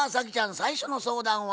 最初の相談は？